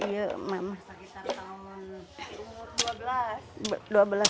diajaknya itu berapa lama